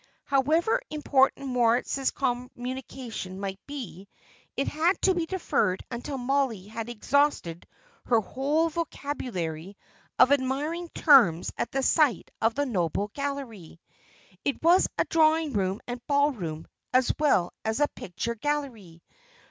However important Moritz's communication might be, it had to be deferred until Mollie had exhausted her whole vocabulary of admiring terms at the sight of the noble gallery. It was a drawing room and ball room as well as a picture gallery.